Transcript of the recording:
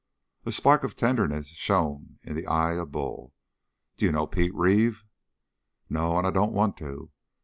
A spark of tenderness shone in the eye of Bull. "D'you know Pete Reeve?" "No, and I don't want to.